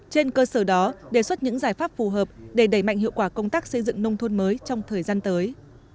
trên cơ sở đó đề xuất những giải pháp phù hợp để đẩy mạnh hiệu quả công tác xây dựng nông thôn mới trong thời gian tới